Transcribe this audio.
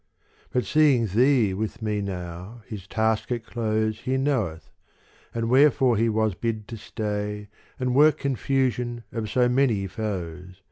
But seeing thee with me now, his task at close He knoweth, and wherefore he was bid to stay And work confusion of so many foes.